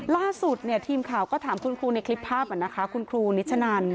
ล่าสุดเนี่ยทีมข่าวก็ถามคุณครูในคลิปภาพเหมือนนะคะคุณครูนิชชะนัน